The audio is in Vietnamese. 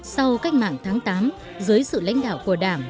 sau cách mạng tháng tám dưới sự lãnh đạo của đảng